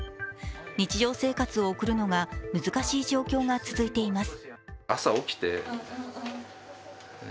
日常生活を送るのが難しい状況が続いています。